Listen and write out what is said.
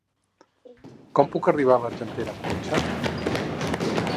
Com puc arribar a l'Argentera amb cotxe?